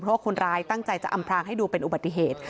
เพราะว่าคนร้ายตั้งใจจะอำพรางให้ดูเป็นอุบัติเหตุ